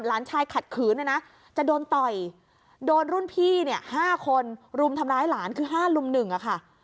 หลานชายขัดขืนจะโดนต่อยโดนรุ่นพี่๕คนรุมทำร้ายหลานคือ๕รุม๑ค่ะ